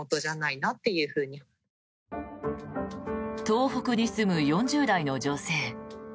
東北に住む４０代の女性。